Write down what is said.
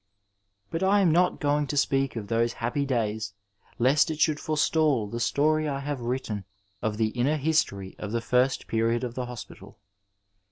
But I am not going to speak of those happy days lest it should forestall the story I have written of the inner history of the first period of the hospital.